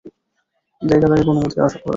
এ-জায়গায় তাঁকে কোনোমতেই আশা করা যায় না।